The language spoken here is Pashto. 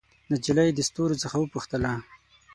نجلۍ د ستورو څخه وپوښتله